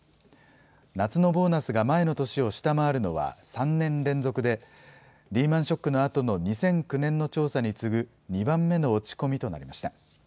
夏のボーナスが前の年を下回るのは３年連続で、リーマンショックのあとの２００９年の調査に次ぐ２番目の落ち込みとなりました。